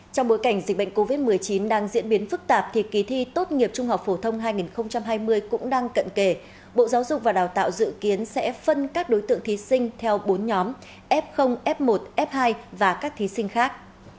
trong bối cảnh dịch bệnh covid một mươi chín đang diễn biến phức tạp thì kỳ thi tốt nghiệp trung học phổ thông hai nghìn hai mươi cũng đang cận kề bộ giáo dục và đào tạo dự kiến sẽ phân các đối tượng thí sinh theo bốn nhóm f f một f hai và các thí sinh khác